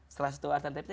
setelah satu urutan tadi